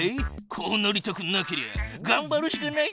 こうなりたくなけりゃがんばるしかないじゃろ？